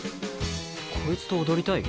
こいつと踊りたい？